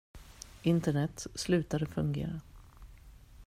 Internet slutade fungera!